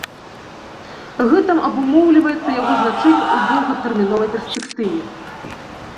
Гэтым абумоўлівацца яго значэнне ў доўгатэрміновай перспектыве.